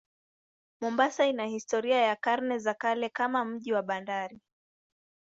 Mombasa ina historia ya karne za kale kama mji wa bandari.